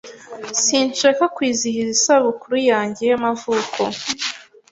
Sinshaka kwizihiza isabukuru yanjye y'amavuko